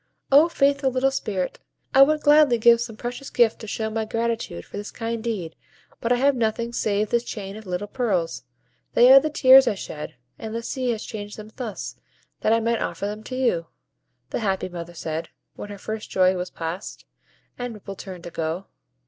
"O faithful little Spirit! I would gladly give some precious gift to show my gratitude for this kind deed; but I have nothing save this chain of little pearls: they are the tears I shed, and the sea has changed them thus, that I might offer them to you," the happy mother said, when her first joy was passed, and Ripple turned to go.